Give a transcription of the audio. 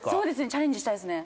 チャレンジしたいですね。